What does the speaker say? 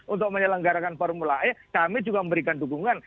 untuk menyelenggarakan formula e kami juga memberikan dukungan